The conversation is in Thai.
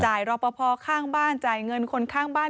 จ่ายรบพอพอข้างบ้านจ่ายเงินคนข้างบ้าน